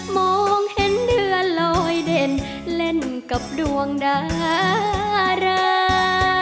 มองเห็นเดือนลอยเด่นเล่นกับดวงดารา